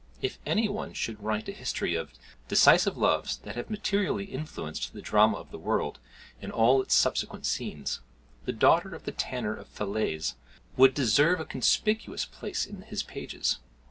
If any one should write a history of "Decisive loves that; have materially influenced the drama of the world in all its subsequent scenes," the daughter of the tanner of Falaise would deserve a conspicuous place in his pages.